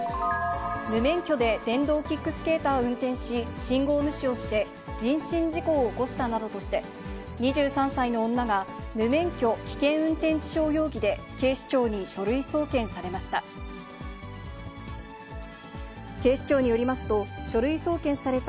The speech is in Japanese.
無免許で電動キックスケーターを運転し、信号無視をして、人身事故を起こしたなどとして、２３歳の女が、無免許危険運転致傷容疑で、警視庁に書類送検されました。